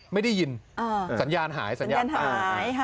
ไม่ได้ยินสัญญาณหายสัญญาณตาย